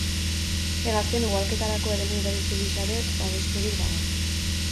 Hegaztien ugalketarako eremu berezi gisa ere babesturik dago.